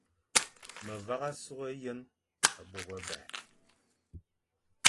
Me vagha sughé yen bô bebè.